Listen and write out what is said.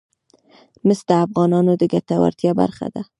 مس د افغانانو د ګټورتیا برخه ده.